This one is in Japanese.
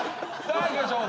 いきましょう。